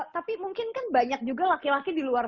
tapi mungkin kan banyak juga laki laki di luar